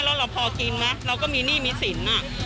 แล้วเราพอกินไหมเราก็มีหนี้มีสิน